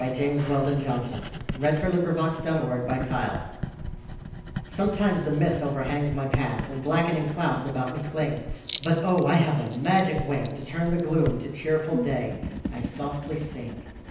James Weldon Johnson The Gift to Sing SOMETIMES the mist overhangs my path, And blackening clouds about me cling; But, oh, I have a magic way To turn the gloom to cheerful day I softly sing.